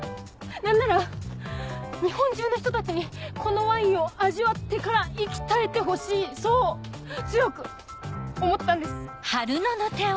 何なら日本中の人たちにこのワインを味わってから息絶えてほしいそう強く思ったんです！